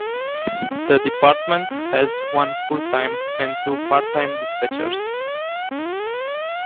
The department has one full-time and two part-time dispatchers.